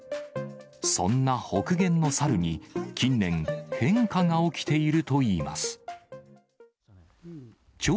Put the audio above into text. そんな北限のサルに、近年、変化が起きているといいます。